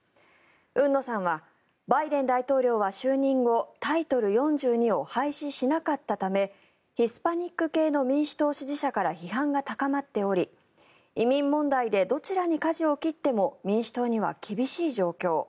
海野さんはバイデン大統領は就任後タイトル４２を廃止しなかったためヒスパニック系の民主党支持者から批判が高まっており移民問題でどちらにかじを切っても民主党には厳しい状況。